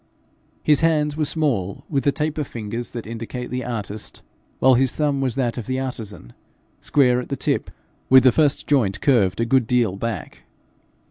His hands were small, with the taper fingers that indicate the artist, while his thumb was that of the artizan, square at the tip, with the first joint curved a good deal back.